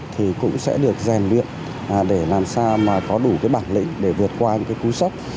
thì cũng sẽ được rèn luyện để làm sao mà có đủ cái bản lĩnh để vượt qua những cái cú sốc